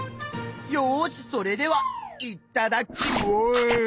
よしそれではいっただっきまぁす！